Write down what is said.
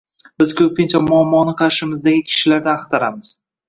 Biz koʻpincha muammoni qarshimizdagi kishilardan axtaramiz